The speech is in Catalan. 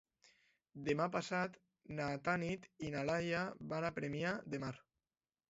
Demà passat na Tanit i na Laia van a Premià de Mar.